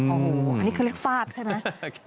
อันนี้คือเลขฟาดใช่ไหม